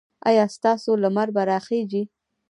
ایا ستاسو لمر به راخېژي؟